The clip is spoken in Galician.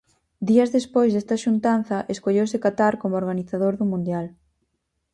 Días despois desta xuntanza, escolleuse Qatar como organizador do Mundial.